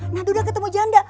nah duda ketemu janda